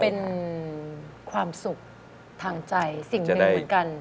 เป็นความสุขทางใจสิ่งหนึ่งเหมือนกัน